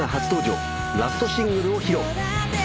ラストシングルを披露。